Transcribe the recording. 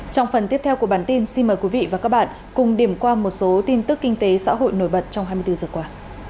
trong phần tiếp theo của bản tin xin mời quý vị và các bạn cùng điểm qua một số tin tức kinh tế xã hội nổi bật trong hai mươi bốn giờ qua